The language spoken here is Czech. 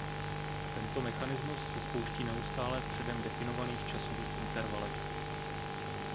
Tento mechanismus se spouští neustále v předem definovaných časových intervalech.